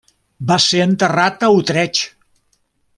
Va ser enterrat a Utrecht.